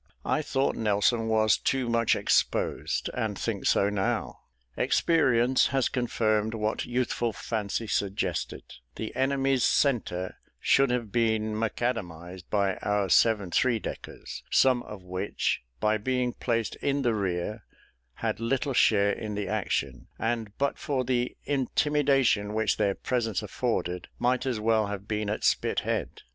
I thought Nelson was too much exposed, and think so now. Experience has confirmed what youthful fancy suggested; the enemy's centre should have been macadamized by our seven three deckers, some of which, by being placed in the rear, had little share in the action; and but for the intimidation which their presence afforded, might as well have been at Spithead.